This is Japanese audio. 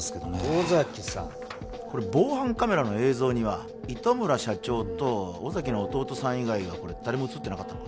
尾崎さん防犯カメラの映像には糸村社長と尾崎の弟さん以外誰も写ってなかったのか？